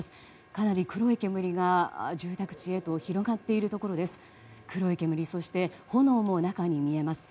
かなり黒い煙が住宅地へと広がっているところです。